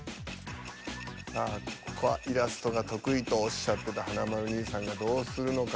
さあここはイラストが得意とおっしゃってた華丸兄さんがどうするのか。